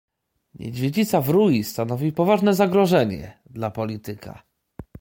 Niedźwiedzica w rui stanowi poważne zagrożenie dla polityka.